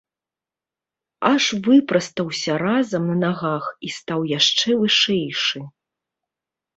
Аж выпрастаўся разам на нагах і стаў яшчэ вышэйшы.